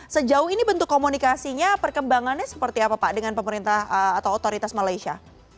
sejauh ini bentuk komunikasinya perkembangannya seperti apa pak dengan pemerintah atau otoritas malaysia